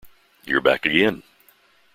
You're back again.